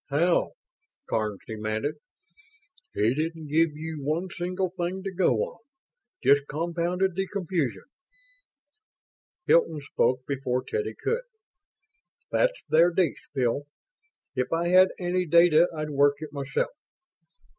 How?" Karns demanded. "He didn't give you one single thing to go on; just compounded the confusion." Hilton spoke before Teddy could. "That's their dish, Bill. If I had any data I'd work it myself.